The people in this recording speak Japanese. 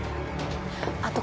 あと。